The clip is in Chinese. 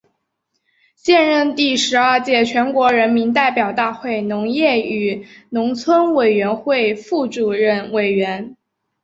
现任第十二届全国人民代表大会农业与农村委员会副主任委员。